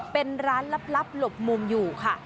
เป็นร้านลับหลบมุมอยู่ค่ะ